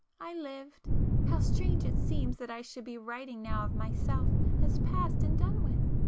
I lived,—how strange it seems that I should be writing now of myself, as past and done with!